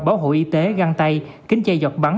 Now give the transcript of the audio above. bảo hộ y tế găng tay kính chay dọc bắn